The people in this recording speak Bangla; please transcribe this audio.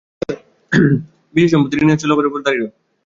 বিষয়সম্পত্তি ঋণের চোরাবালির উপর দাঁড়িয়ে– অল্প করে ডুবছে।